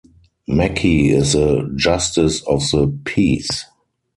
Mackey is a Justice of the peace.